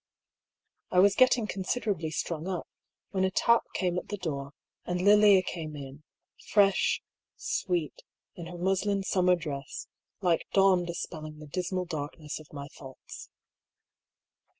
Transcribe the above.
I was getting considerably strung up, when a tap came at the door, and Lilia came in, fresh, sweet in her 52 DR. PAULL'S THEORY. muslin summer dress, like Dawn dispelling the dismal darkness of my thoughts.